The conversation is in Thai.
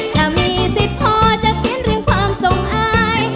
ถ้ามีสิทธิ์พอจะเขียนเรื่องความทรงอาย